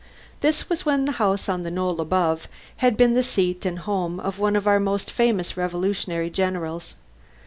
This was when the house on the knoll above had been the seat and home of one of our most famous Revolutionary generals.